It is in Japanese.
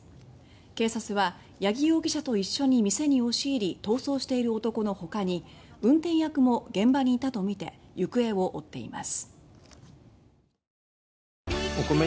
警察は、八木容疑者と一緒に店に押し入り逃走している男の他に運転役も現場にいたとみて行方を追っています。